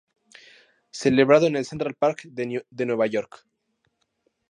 Celebrado en el Central Park de Nueva York.